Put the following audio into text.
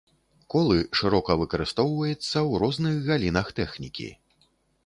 Колы шырока выкарыстоўваецца ў розных галінах тэхнікі.